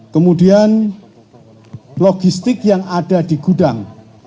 kemudian logistik yang ada di gudang